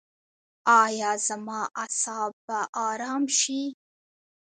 ایا زما اعصاب به ارام شي؟